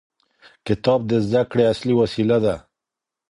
کتاب د زده کړې اصلي وسیله ده.